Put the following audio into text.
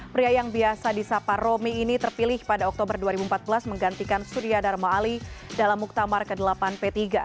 pria yang biasa disapa romi ini terpilih pada oktober dua ribu empat belas menggantikan surya dharma ali dalam muktamar ke delapan p tiga